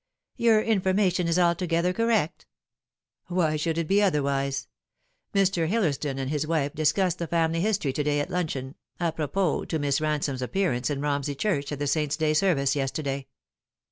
" Your information is altogether correct." " "Why should it be otherwise ? Mr. Hillersdon and his wife discussed the family history to day at luncheon, apropos to ]Wiss Ransome's appearance in Romsey Church at the Saint's Day service yesterday."